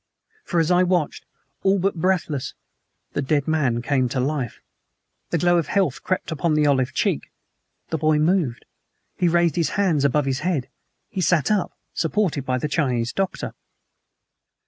For as I watched, all but breathless, the dead came to life! The glow of health crept upon the olive cheek the boy moved he raised his hands above his head he sat up, supported by the Chinese doctor!